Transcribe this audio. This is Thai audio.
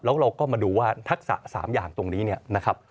แล้วเราก็มาดูว่าทักษะ๓อย่างตรงนี้เนี่ยนะครับ